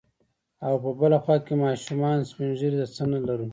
او په بله خوا کې ماشومان، سپين ږيري، د څه نه لرو.